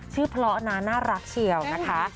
เพราะนะน่ารักเชียวนะคะ